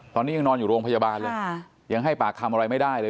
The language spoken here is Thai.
ตอนนี้ยังนอนอยู่โรงพยาบาลเลยยังให้ปากคำอะไรไม่ได้เลย